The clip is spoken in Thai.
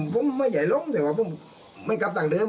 ผมไม่ได้ล้มแต่ว่าผมไม่กลับดั้งเดิม